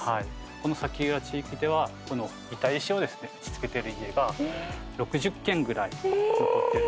この崎浦地域ではこの板石をですね打ちつけている家が６０軒ぐらい残ってるんですよ。